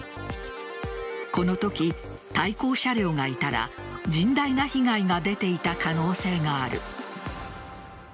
このとき、対向車両がいたら甚大な被害が出ていた可能性がある。